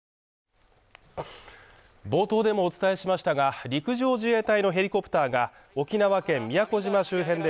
冒頭でもお伝えしましたが、陸上自衛隊のヘリコプターが沖縄県宮古島周辺で